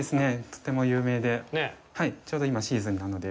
とても有名で、ちょうど今、シーズンなので。